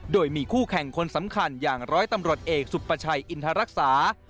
โดยมีคู่แข่งคนสำคัญอย่างร้อยตำรวจเอกสุปชัยอินทรรักษา